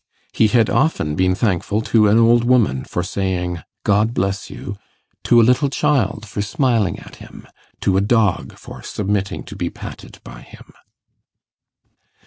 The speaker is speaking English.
He had often been thankful to an old woman for saying 'God bless you'; to a little child for smiling at him; to a dog for submitting to be patted by him.